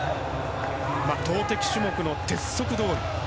投てき種目の鉄則どおり。